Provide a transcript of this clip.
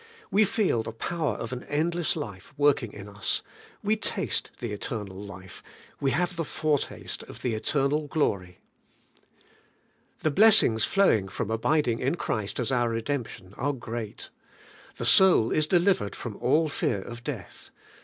We feel the power of an endless life working in us. We taste the eternal life. We have the foretaste of the eternal glory. The blessings flowing from abiding in Christ as our redemption, are great. The soul is delivered from all fear of death.